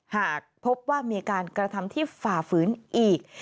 หากพบว่ามีการกระทำที่ฝ่าฝืนอีก